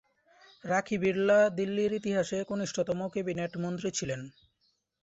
রাখি বিড়লা দিল্লীর ইতিহাসের কনিষ্ঠতম ক্যাবিনেট মন্ত্রী ছিলেন।